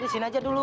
disini aja dulu